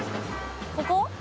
ここ？